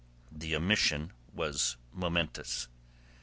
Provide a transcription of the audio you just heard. The omission was momentous.